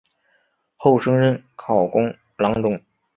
后升任考功郎中。